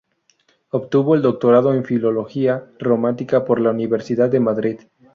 Obtuvo el doctorado en Filología Románica por la Universidad de Madrid.